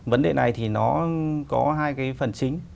vấn đề này thì nó có hai cái phần chính